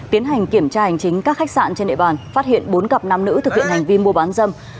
tiến hành kiểm tra hành chính các khách sạn trên địa bàn phát hiện bốn cặp nam nữ thực hiện hành vi mua bán dâm